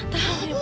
tahan ya pak